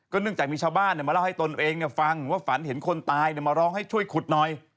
เนื่องจากมีชาวบ้านมาเล่าให้ตนเองฟังว่าฝันเห็นคนตายมาร้องให้ช่วยขุดหน่อย